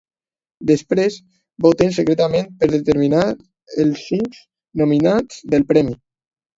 Després, voten secretament per determinar els cinc nominats del premi.